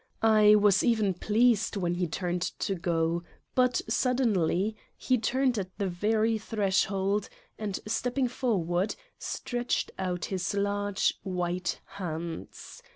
I was even pleased when he turned to go but, suddenly, he tinned at the very threshold and stepping forward, stretched out his large white hands.